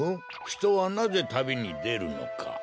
ひとはなぜたびにでるのか。